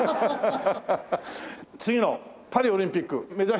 次のパリオリンピック目指して。